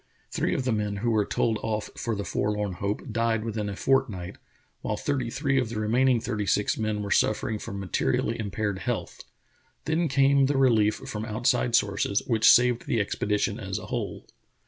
Three of the men who were told off for the forlorn hope died within a fortnight, while thirty three of the remaining thirtj' six men were suffering from materially impaired health. Then came the relief from outside sources, which saved the expedition as a whole.